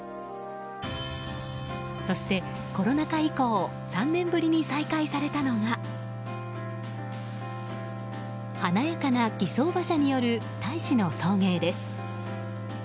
そして、コロナ禍以降３年ぶりに再開されたのが華やかな儀装馬車による大使の送迎です。